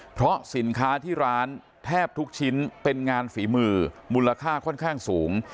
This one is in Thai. เพราะสินค้าที่ร้านแทบทุกชิ้นเป็นงานฝีมือมูลค่าค่อนข้างสูง